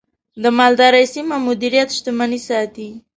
د مالدارۍ سمه مدیریت، شتمني ساتي.